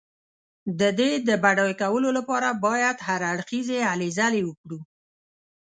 د دې د بډای کولو لپاره باید هر اړخیزې هلې ځلې وکړو.